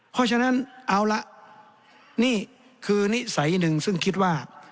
เพราะฉะนั้นเอาละนี่คือนิสัยหนึ่งซึ่งคิดว่า